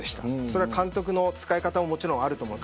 それは監督の使い方ももちろんあると思う。